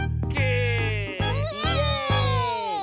イエーイ！